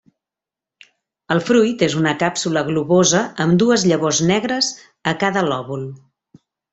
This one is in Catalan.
El fruit és una càpsula globosa amb dues llavors negres a cada lòbul.